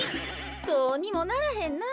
どうにもならへんなあ。